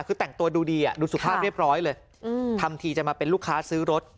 คือแต่งตัวดูดีดูสุภาพเรียบร้อยเลยทำทีจะมาเป็นลูกค้าซื้อรถ